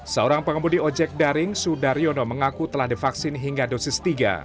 seorang pengemudi ojek daring sudaryono mengaku telah divaksin hingga dosis tiga